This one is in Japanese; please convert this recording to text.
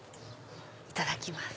いただきます。